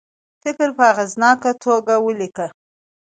فکر په اغیزناکه توګه ولیکي.